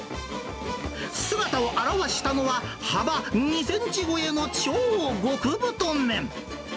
姿を現したのは、幅２センチ超えの超極太麺。